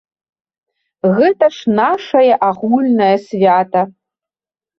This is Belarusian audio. Гэта ж нашае агульнае свята!